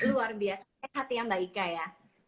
luar biasa baik hati mbak ika ya